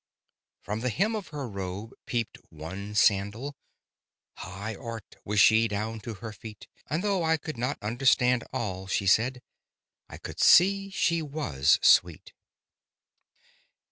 From the hem of her robe peeped one sandal— "High art" was she down to her feet; And though I could not understand all She said, I could see she was sweet.